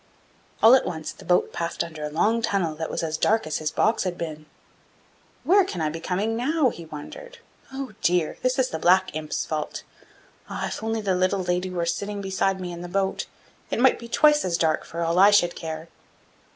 All at once the boat passed under a long tunnel that was as dark as his box had been. 'Where can I be coming now?' he wondered. 'Oh, dear! This is the black imp's fault! Ah, if only the little lady were sitting beside me in the boat, it might be twice as dark for all I should care!